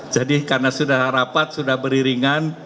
jadi karena sudah rapat sudah beriringan